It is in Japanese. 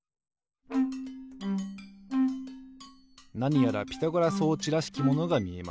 なにやらピタゴラ装置らしきものがみえます。